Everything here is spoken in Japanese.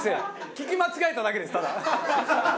聞き間違えただけですただ。